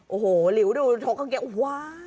โอ้โหหลิวดูทกข้างเกียวว้าว